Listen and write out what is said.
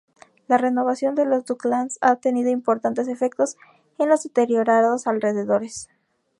La renovación de los Docklands ha tenido importantes efectos en los deteriorados alrededores.